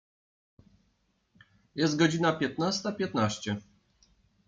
Jest godzina piętnasta piętnaście.